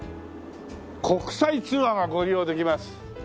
「国際通話がご利用できます」